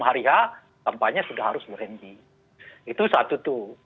tiga hari setelah pemerintah kampanye sudah harus berhenti itu satu tuh